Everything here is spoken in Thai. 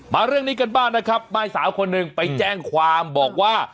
เรื่องนี้กันบ้างนะครับม่ายสาวคนหนึ่งไปแจ้งความบอกว่า